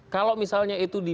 kalau misalnya itu di